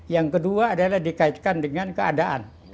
yang kedua adalah dikaitkan dengan keadaan